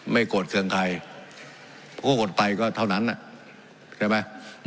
ไม่โกรธเครื่องใครก็โกรธไปก็เท่านั้นอ่ะเห็นไหม